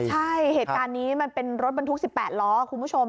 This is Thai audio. ใช่เหตุการณ์นี้มันเป็นรถบรรทุก๑๘ล้อคุณผู้ชม